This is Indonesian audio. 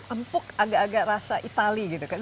empuk agak agak rasa itali gitu kan